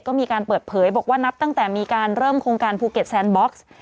ก็มีการเปิดเผยบอกว่านับตั้งแต่มีการเริ่มโครงการภูเก็ตแซนบ็อกซ์